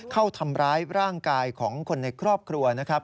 เข้าทำร้ายร่างกายของคนในครอบครัวนะครับ